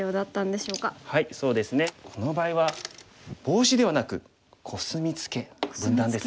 そうですねこの場合はボウシではなくコスミツケ分断ですね。